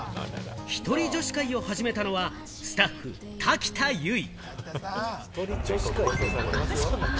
ひとり女子会を始めたのは、スタッフ・瀧田ゆい。